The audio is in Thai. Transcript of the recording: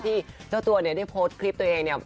เจ้าตัวเนี่ยได้โพสต์คลิปตัวเองเนี่ย